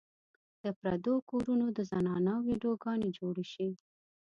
د پردو کورونو د زنانو ويډيو ګانې جوړې شي